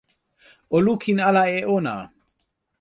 o lukin ala e ona!